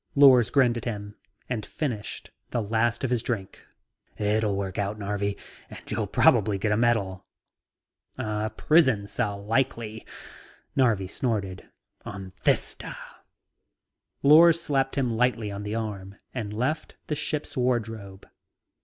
Lors grinned at him and finished the last of his drink. "It'll work out, Narvi, and you'll probably get a medal." "A prison cell, likely," Narvi snorted, "on Thista." Lors slapped him lightly on the arm and left the ship's wardroom.